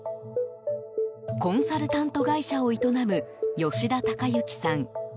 コンサルタント会社を営む吉田孝之さん。